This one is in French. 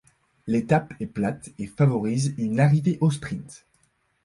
L'étape est plate et favorise une arrivée au sprint.